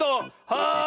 はい！